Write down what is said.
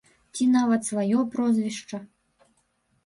Ці нават сваё прозвішча.